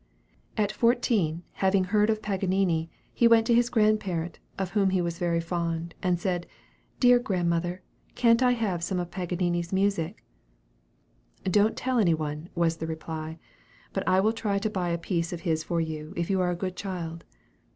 At fourteen, having heard of Paganini, he went to his grandparent, of whom he was very fond, and said, "Dear grandmother, can't I have some of Paganini's music?" "Don't tell any one," was the reply; "but I will try to buy a piece of his for you if you are a good child."